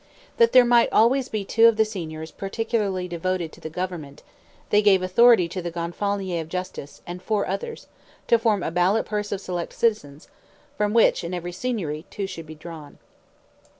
That there might always be two of the signors particularly devoted to the government, they gave authority to the Gonfalonier of Justice, and four others, to form a ballot purse of select citizens, from which, in every Signory, two should be drawn.